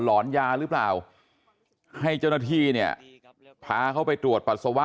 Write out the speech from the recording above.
หอนยาหรือเปล่าให้เจ้าหน้าที่เนี่ยพาเขาไปตรวจปัสสาวะ